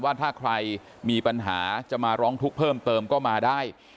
ว่าถ้าใครมีปัญหาจะมาร้องทุกข์เพิ่มเติมก็มาได้